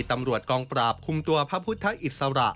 ตำรวจกองปราบคุมตัวพระพุทธอิสระ